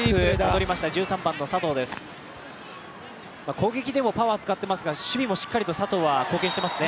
攻撃でもパワーを使っていますが、守備でもしっかり佐藤は貢献していますね。